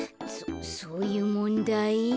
そそういうもんだい？